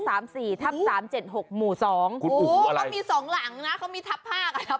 อุ้วเขามี๒หลังนะเขามีทับ๕กับทับ๖